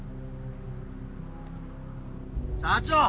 社長！